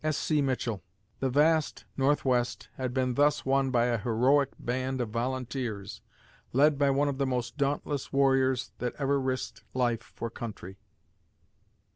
S. C. MITCHELL The vast Northwest had been thus won by a heroic band of volunteers, led by one of the most dauntless warriors that ever risked life for country.